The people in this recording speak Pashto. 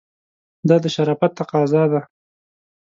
دا د شرافت تقاضا ده.